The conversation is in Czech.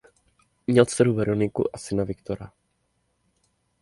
Měl dceru Veroniku a syna Viktora.